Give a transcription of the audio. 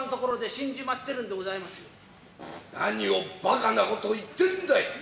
何をばかなこと言ってるんだい。